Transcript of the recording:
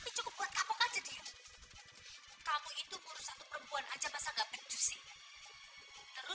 aku cuma takut kalau kamu mendapat apa